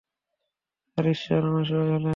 আর ঈশ্বর আমার সহায় হলেন।